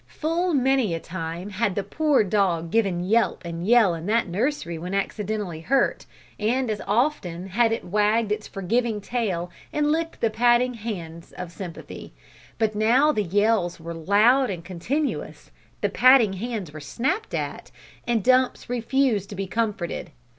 Full many a time had the poor dog given yelp and yell in that nursery when accidentally hurt, and as often had it wagged its forgiving tail and licked the patting hands of sympathy; but now the yells were loud and continuous, the patting hands were snapped at, and Dumps refused to be comforted.